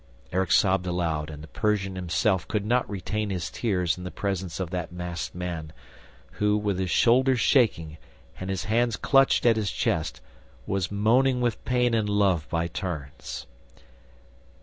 ..." Erik sobbed aloud and the Persian himself could not retain his tears in the presence of that masked man, who, with his shoulders shaking and his hands clutched at his chest, was moaning with pain and love by turns.